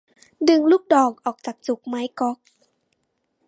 ดึงลูกดอกออกจากจุกไม้ก๊อก